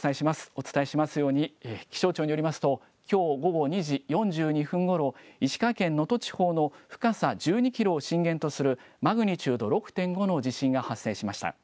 お伝えしますように、気象庁によりますときょう午後２時４２分ごろ、石川県能登地方の深さ１２キロを震源とするマグニチュード６．５の地震が発生しました。